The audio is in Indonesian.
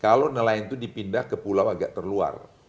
kalau nelayan itu dipindah ke pulau agak terluar